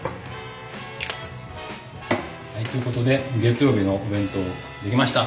はいということで月曜日のお弁当出来ました！